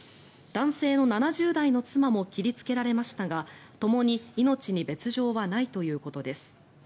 男性の７０代の妻も切りつけられましたがともに命に別条はないということです。